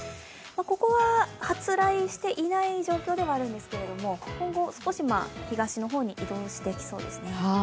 ここは発雷していない状況ではあるんですけれども、今後、少し東の方に移動してきそうですね。